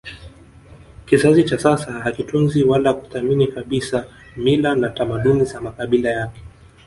Kizazi cha sasa hakitunzi wala kuthamini kabisa mila na tamaduni za makabila yake